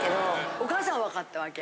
お母さんは分かったわけや。